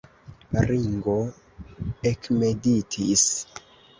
Ringo ekmeditis.